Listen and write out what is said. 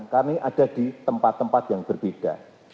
kami ada di tempat tempat yang berbeda